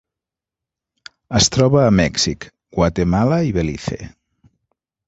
Es troba a Mèxic, Guatemala i Belize.